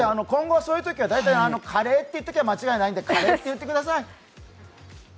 今後そういうときは大体カレーって言っておけば間違いないのでカレーって言ってください。